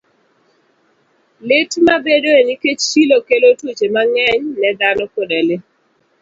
Lit ma bedoe nikech chilo kelo tuoche mang'eny ne dhano koda le.